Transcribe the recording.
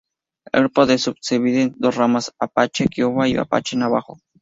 El grupo se subdivide en dos ramas: apache-kiowa y apache-navajo.